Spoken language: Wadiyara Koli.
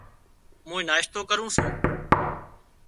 مُون ناشتو ڪرُون سُون۔